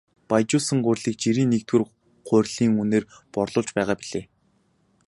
Баяжуулсан гурилыг жирийн нэгдүгээр гурилын үнээр борлуулж байгаа билээ.